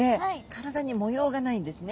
体に模様がないんですね。